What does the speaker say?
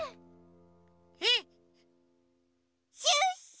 えっ？シュッシュ。